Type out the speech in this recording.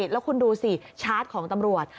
แล้วคุณดูสิชาร์จของตำรวจ